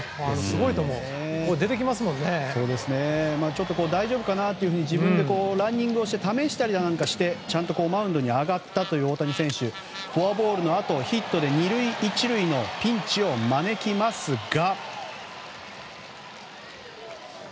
ちょっと大丈夫かなと自分でランニングして試したりしてちゃんとマウンドに上がった大谷選手ですがフォアボールのあとヒットで２塁１塁のピンチを招きますが。